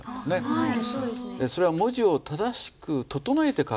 はい。